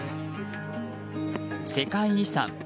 世界遺産